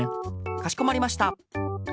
かしこまりました。